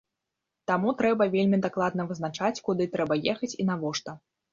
Таму трэба вельмі дакладна вызначаць, куды трэба ехаць і навошта.